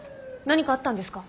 何かあったんですか？